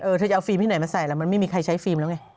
เธอจะเอาฟิล์มที่ไหนมาใส่แล้วมันไม่มีใครใช้ฟิล์มแล้วไง